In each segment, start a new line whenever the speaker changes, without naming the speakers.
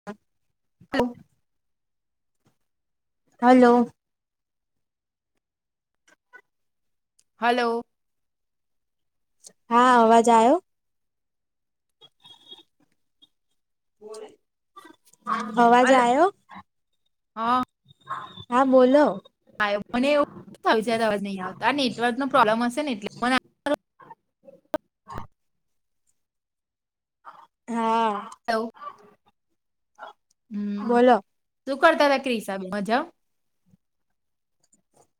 [unintelligible]
[unintelligible]
Hello.
Hello.
હા અવાજ આયો.
હલો
અવાજ આવ્યો
હા
હા બોલો.
હા એમ મને એવુ થયું અવાજ નહી આવતો આ નેટવર્કનો પ્રોબલેમ હશે ને એટલે મન.
હા.
હલો.
[unintelligible]
હમ્મ
બોલો
શું કરતા હતા ક્રીસાબેન મજા.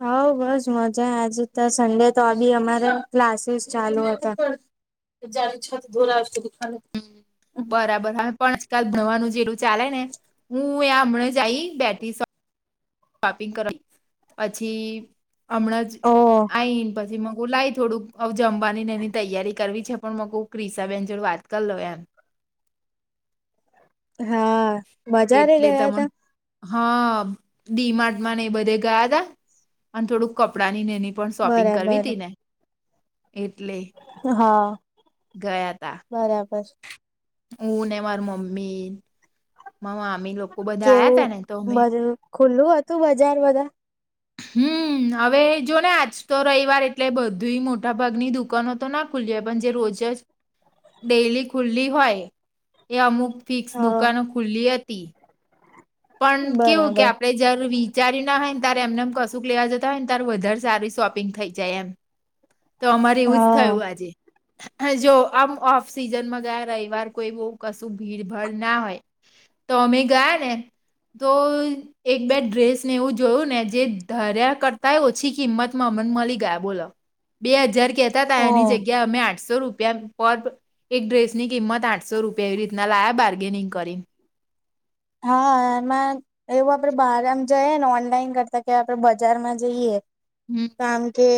હઉ બસ મજા આજે તો સન ડે તોબી અમારે ક્લાસીસ ચાલુ હતા. જાન છત ધોરા ખાન.
હમ બરાબર આવે પણ આજકાલ ભણવાનું જેરુ ચાલે ને. હું આ હમણાં જ આઇ બેઠી સવ. શોપિંગ કરવા પછી હમણાં જ
ઓહ
આઈને પછી મગું લાઈ થોડુંક. હ જમવાનીને એની તૈયારી કરવી છે પણ મકુ ક્રિસાબેન જોડે વાત કર લવ એમ.
હા. બજારે
એટલે
ગયા
તમન.
તા
હ ડી માર્ટમાં ને એ બધે ગયા હતા અને થોડુંક કપડાંની ને એની. પણ શોપિંગ કરવી
બરાબર
તી ને એટલે
હા
ગયા હતા.
બરાબર.
હું ને માર મમ્મી મારા મામી લોકો બધા આયા તા ને તો
કેવું
અમે.
બધું ખુલ્લું હતું બજાર બધા.
હમ, હવે જો ને આજ તો રઈવાર એટલે બધુય મોટા ભાગની દુકાનો તો નાખ ખુલ્લી હોય, પણ જે રોજ જ ડેલી ખુલ્લી હોય એ અમુક ફિક્સ
હા
દુકાનો ખુલ્લી હતી પણ કેવું કે
બરાબર
આપણે જે. જયાર વિચાર્યું ના હોય ને ત્યારે એમ ને એમ કશું લેવા જતા હોય ને ત્યારે વધારે સારી શોપિંગ થઈ જાય એમ. તો અમારે એવું જ
હા
થયું આજે. હ જો આમ ઓફ સિઝનમાં ગયા રવિવાર કોઈ બહ કશું ભીડ ભાળ ના હોય. તો અમે ગયા ને તો એક બે ડ્રેસને ને એવું જોયું ને જે ધાર્યા કરતાય ઓછી કિંમતમાં અમને મલી ગયા બોલો બે હજાર કહેતા હતા
ઓ
એની જગ્યા અમે આઠસો રૂપિયા પર એક ડ્રેસ ની કિંમત આઠસો રૂપિયા એવી રીતના લાયા બાર્ગેનિંગ કરીને
હા એમાં એવું આપડે બહાર આમ જઈએ ને ઓનલાઈન કરતા કે આપડે બજારમાં જઈએ
હમ
આમ કે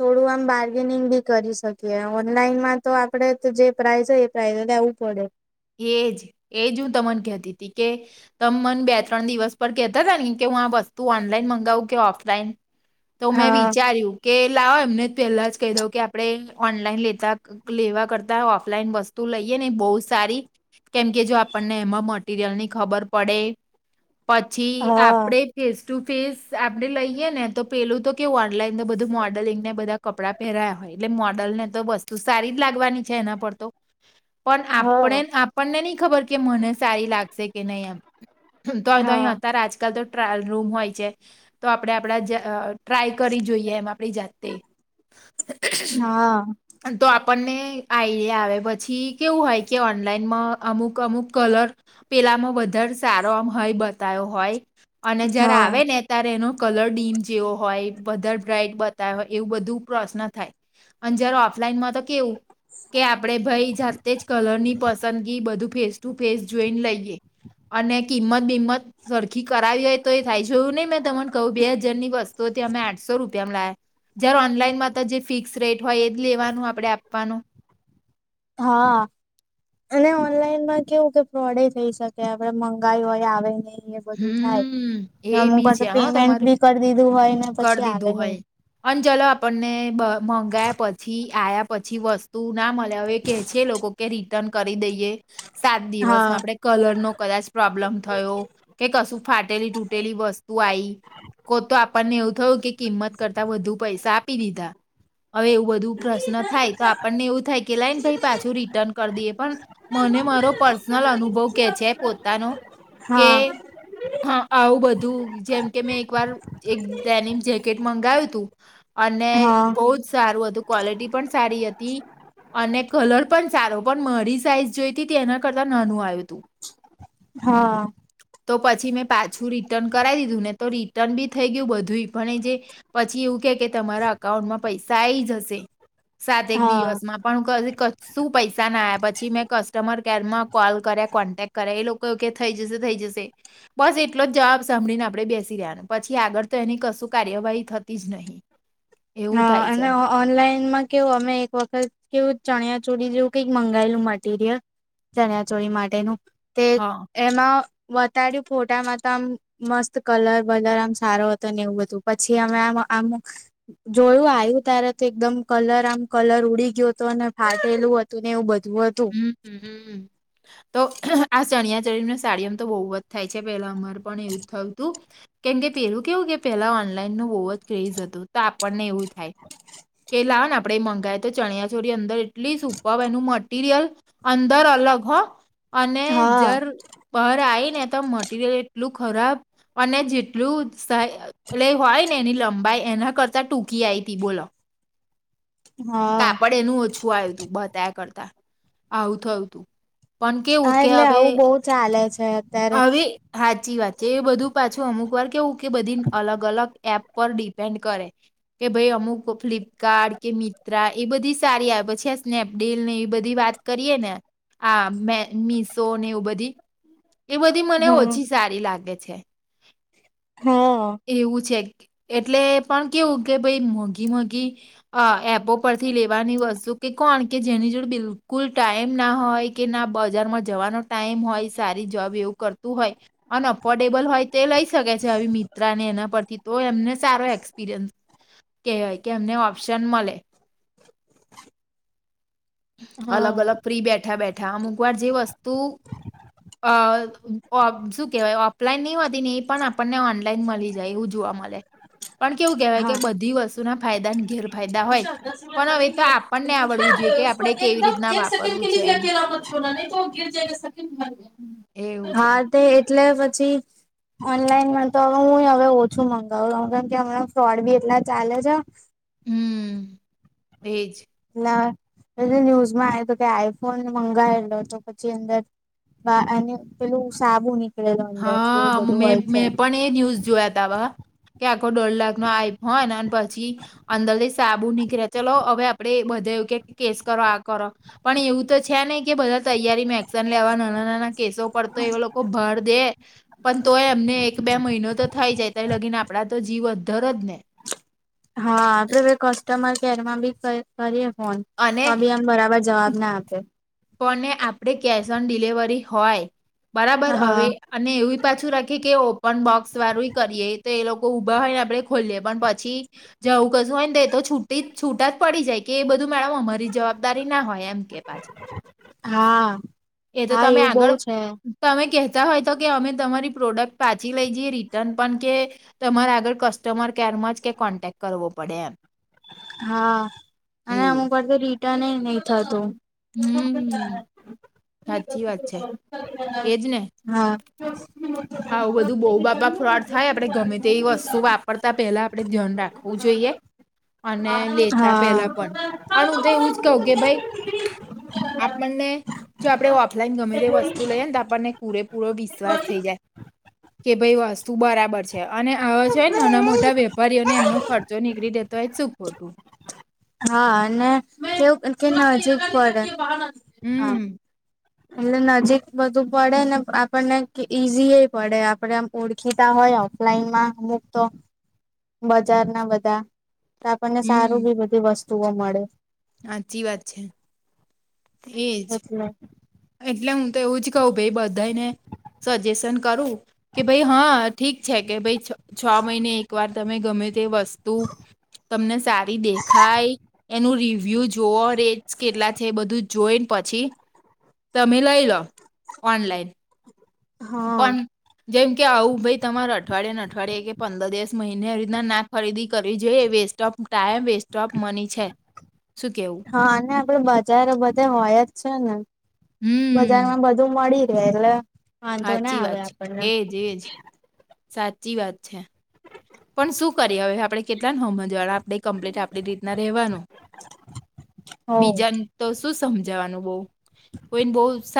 થોડું આમ બાર્ગેનિંગ બી કરી શકીએ ઓનલાઈનમાં તો આપડે જે પ્રાઇસ હોય એતો લેવું પડે
એજ એજ હું તમને કહેતી તી કે તમ મને બે ત્રણ દિવસ પર કેતા તા ને કે હું આ વસ્તુ ઓનલાઈન મંગાવું કે ઓફલાઈન તો મેં
હા
વિચાર્યું કે લાવો એમને પેલા જ કહી દઉં કે આપણે ઓનલાઈન લેતા લેવા કરતા ઓફલાઈન વસ્તુ લઈએ ને એ બહુ સારી કેમ કે જો આપણને એમાં મટીરિયલ ની ખબર પડે પછી
હા
આપડે ફેસ ટુ ફેસ આપડે લઈએ ને તો પેલું તો કેવુ ઓનલાઈન તો બધું મોડલિંગ ને બધા કપડાં પહેરાયા હોય એટલે મોડલ ને તો વસ્તુ સારી જ લાગવાની છે એના પર તો પણ આપણે
હા
આપણને નહી ખબર કે મને સારી લાગશે કે નહીં એમ તો તઈ
હા.
હતા આજકાલ તો ટ્રાયલ રૂમ હોય છે તો આપડે આપડા ટ્રાય કરી જોઈએ એમ આપડી જાતે
હા
તો આપણને આઇડિયા આવે પછી કેવું હોય કે ઓન ઓનલાઈનમાં અમુક અમુક કલર પેલામાં વધારે સારો હોય એમ બતાયો હોય અને જરા
હા.
આવે ને ત્યારે એનો કલર ડીમ જેવો હોય વધારે બ્રાાઈટ બતાવે હોય એવું બધું પ્રશ્ન થાય અને જયારે ઓફલાઈનમાં તો કેવું કે આપડે ભાઈ જાતે જ કલર પસંદગી બધું ફેસ ટુ ફેસ જોઈ લઈએ અને કિંમત બિમત સરખી કરાવી હોય તો એ થાય એવું નહી મેં તમને કહું બે હજારની વસ્તુ હતી અમે આઠસો રૂપિયામાં લાયા જયાર ઓનલાઈનમાં તો જે ફિક્સ રેટ હોય એ જ લેવાનું આપણે આપવાનું
હા અને ઓનલાઈન માં કેવું કે ફ્રોડે થઈ શકે હવે મંગાયુ હોય ને આવે ય નહી એટ્લે બધું થાય
હમ એ
અમુક
બી
વાર
છે હા
પેમેન્ટ
તમારે
બી કરી દીધું હોય ને
કરી
પછી
દીધું
આવે નઈ
હોય અને ચલો આપણને મંગાયા પછી આયા પછી વસ્તુ ના મળે હવે એ કે છે લોકો કે રિટર્ન કરી દઈએ સાત દિવસમાં
હા
આપણે કલરનો કદાચ પ્રોબ્લમ થયો કે કશું ફાટેલી તૂટેલી વસ્તુ આઈ કો તો આપણને એવું થયું કે કિંમત કરતા વધુ પૈસા આપી દીધા હવે એવું બધું પ્રશ્ન થાય તો આપણને એવું થાય કે લાઈને ભાઈ પાછું રિટર્ન કરી દઈએ પણ મને મારો પર્સનલ અનુભવ કે છે કે પો તાનો કે
હા
હા આવું બધું જેમ કે મેં એક વાર એક ડેનીમ જેકેટ મંગાવ્યું હતું અને
હા.
બહુ જ સારું હતું ક્વોલિટી પણ સારી હતી અને કલર પણ સારો પણ મારી સાઈઝ જોઈ હતી એના કરતા નાનું આયુ તું
હા
તો પછી મેં પાછું રિટર્ન કરાવી દીધું ને તો રિટર્ન બી થઈ ગયું બધું પણ એ જે પછી એવું કે કે તમારા અકાઉન્ટમાં પૈસા આઈ જશે સાતેક
હા.
દિવસમાં પણ ક કશું પૈસા ના આવ્યા પછી મેં કસ્ટમર કેરમાં કોલ કર્યા કોન્ટેક કર્યા એ લોકો કે થઈ જશે થઈ જશે બસ એટલો જવાબ સાંભળીને આપડે બેસી રહેવાનું પછી આગળ તો એની કશું કાર્યવાહી થતી જ નહીં [inaudible]
હા
થાય છે
એને ઓ ઓનલાઈનમાં કેવું અમે એક વખત કેવું ચણિયા ચોડી જેવું કઈક મંગાયેલું મટીરિયલ ચણિયા ચોરી માટેનું તે
હા
એમાં વતાર્યું ફોટામાં તો આમ મસ્ત કલર વલર આમ સારો હતો ને એવું બધું પછી અમે આમ આમ જોયું આયું તારે તો એકદમ કલર આમ કલર ઉડી ગ્યો હતો અને ફાટેલું હતું ને એવું બધું હતું
હમ્મ હમ્મ હમ્મ તો આ ચણિયાચોળીને સાડીઓમ તો બહુ જ થાય છે પેલા અમારે પણ એવું જ થયું હતું. કેમ કે પેલું કેવું કે પેલા ઓનલાઈન નું બહુ જ ક્રેઝ હતું તો આપણને એવું થાય કે લાને આપડે એ મંગાય તો ચણિયા ચોરી અંદર એટલી સુપર એનું મટ ટીરિયલ અંદર અલગ હો અને
હા.
જર બહાર આઈ ને તો મટીરિયલ એટલું ખરાબ અને જેટલું સાઈ એટલે હોય ને એની લંબાઈ એના કરતા ટૂંકી આઈ તી બોલો.
હા
કાપડ એનું ઓછું આયુતું બતાયા કરતા. આવું થયુ પણ કેવું
હા
કે
એટલે
હવે
આવું બહુ ચાલે છે અત્યારે.
હવે સાચી વાત છે એ બધું પાછું અમુક વાર કેવું કે બધી અલગ અલગ એપ પર ડિપેન્ડ કરે. કે ભાઈ અમુક ફ્લિપકાર્ટ કે મિન્ત્રા એ બધી સારી એબ છે પછી આ સ્નેપડીલ ને બધી વાત કરીએ ને આ મીસો ને એવું બધી એ બધી મને
હા.
ઓછી સારી લાગે છે
હા
એવું છે એટલે પણ કેવું કે ભઈ મોંઘી મોઘી અ એપો પરથી લેવાની વસ્તુ કે કોણ કે જેની જોડ બિલકુલ ટાઈમ ના હોય કે ના બજારમાં જવાનો ટાઈમ હોય સારી જોબ એવું કરતું હોય અને અફોર્ડેબલ હોય તે લઈ શકે છે આવી મિન્ત્રા એના પરથી તો એમને સારો એક્સપિરિયન્સ કેવાય કે એમને ઓપ્શન મલે
હા
અલગ અલગ ફ્રી બેઠા બેઠા અમુક વાર જે વસ્તુ અ શું કેહેવાય ઓફલાઈન નહી હોતી ને એ પણ આપણને ઓન લાઇન મલી જાય એવું જોવા મળે પણ કેવું કહેવાય કે
હા
બધી વસ્તુ ના ફાયદા ઘેર ફાયદા હોય પણ હવે એતો આપણને આવડવું જોઈએ કે
તો
આપણે કેવી
એકદમ
રીતના
એક સેકેન્ડ
વાપરવું છે
લીએ ભી
એમ
અકેલા મત છોડા નહી તો ગિર જાય સેકન્ડ [unintelligible]
એવું છે.
હા તે એટલે પછી ઓનલાઈનમાં તો હવે હું હવે ઓછું મંગાવું કેમ કે હમણા ફ્રોડ બી એટલા ચાલે છે.
હમ્મ એજ
એટલે ન્યૂઝમાં આયોતો કે આઈફોન મંગાયેલો તો પછી અંદર અને પેલું સાબુ ની
હા મે મેં પણ એ ન્યૂઝ જોયા તા [unintelligible] કે આખો દોઢ લાખ નો આયફો હોય ને પછી અંદરથી સાબુ નીકળ્યા ચલો હવે આપડે બધા એવું કે કેસ કરો, આ કરો પણ એવું તો છે નહી કે, બધા તૈયારીમાં એક્શન લેવા નાના નાના કેસો પર તો એવા લોકો ભર દે પણ તોય એમને એક બે મહિનો તો થઈ જાય, તઈ લગીન આપડા તો જીવ અધ્ધર જ ને.
હા આપડે ભી કસ્ટમર કેર માં બી કર કરીએ. ફોન
અને
તો બી એમ બરાબર જવાબ ના આપે.
પણ એ આપડે કેશ ઓન ડિલિવરી હોય બરાબર
હા.
હવે અને એવું પાછું રા ખી કે ઓપન બોક્સ વાળું કરીએ તો એ લોકો ઊભા હોય ને આપડે ખોલીએ પણ પછી જો આવું કશું હોયન તો એતો છૂટી છૂટા જ પડી જાય કે એ બધું મેડમ અમારી જવાબદારી ના હોય એમ કે પાછ
હા હા
તમે
એવું
આગળ
બહ છે
તમે કહેતા હોય તો કે અમે તમારી પ્રોડક્ટ પાછી લઈ જઈએ રિટર્ન પણ કે તમારે આગળ કસ્ટમર કેરમાં જ કે કોન્ટેક્ટ કરવો પડે એમ
હા અને
એવું
અમુક વાર તો રિટન એ નહી થતું.
હમ સાચી વાત છે એજ ને
હા
આવું બધું બહુ બાપા ફ્રોડ થાય આપણે ગમે તે એવી વસ્તુ વાપરતા પેલા આપડે ધ્યાન રાખવું જોઈએ. અને લેતા
હા.
પેલા પણ પણ હું તો એવું જ કહ કે ભાઈ આપણને. જો આપણે ઓફલાઈન ગમે તે વસ્તુ લઈએ ને તો, આપણને પૂરેપૂરો વિશ્વાસ થઈ જાય. કે ભાઈ વાસ્તુ બરાબર. છે અને આવા છે. નાના મોટા વેપારીઓને એમનો ખર્ચો નીકળી દેતો હોય શું ખોટું?
હા અને તેવું કે નજીક પડે હા.
હમ
એટલે નજીક બધું પડે ને આપણને ઈઝી એ પડે આપડે. ઓળખીતા હોય ઓફલાઈનમાં અમુક તો બજાર ના બધા. તો આપણને સારું
હમ
બી બધી વસ્તુઓ મળે.
સાચી વાત છે. એજ
[inaudible]
એટલે હું તો એવું જ કહઉ, ભાઈ બધાને સજેશન કરું કે ભાઈ હા. ઠીક છે કે. ભાઈ છ મહિને એક વાર તમે ગમે તે વસ્તુ. તમને સારી દેખાય. એનું રિવ્યુ જોઓ રેટસ કેટલા છે. એ બધું જોઈને પછી. તમે લઈ લો ઓનલાઈન.
હા
પણ જેમ કે આવું ભાઈ, તમાર અઠવાડિિયાેને અઠવાડિયે કે પંદર દસ મહિને રીતના ના. ખરીદી કરવી જોઈએ. Waste of time, waste of money છે. શું કેવું?
હા! અને આપડે બજાર બધા હોય જ છે ને?
હમ!
બજાર માં બધું મળી રહે. એટલે વાંધો ના
સાચી
આવે
વાત
આપણને.
છે એજ એજ સાચી વાત છે. પણ શું કરીએ હવે? આપડણે કેટલા ન હોમજ વાળા. આપણે કમ્પ્લીટ આપણી રીતના રહેવાનું.
હો
બીજા તો શું સમજાવાનું? કોઈને બહ સ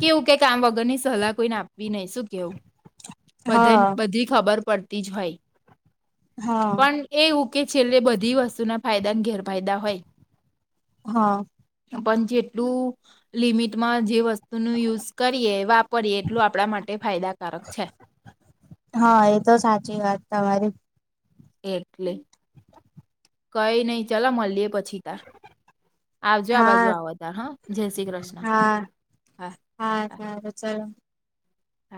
કેવું કે કામ વગરની સલાહ કોઈને આપવી નહી. શું કેવું?
હા
બધ બધી ખબર પડતી જ હોય.
હા
પણ એવું કે, છેલ્લે બધી વસ્તુના ફાયદાને ગેરફાયદા હોય.
હા!
પણ જેટલું. લિમિટમાં જે વસ્તુ ન યુઝ કરીએ, વાપરીએે એટલું આપણા માટે ફાયદાકારક છે.
હા! એ તો સાચી વાત તમારી.
એટલે કઈ નહી. ચાલો મળીએ પછી તાર. આવજો આ બાજુ
હા
આવ તાર હા, જય શ્રી કૃષ્ણ.
હા હા! ચાલ.
હા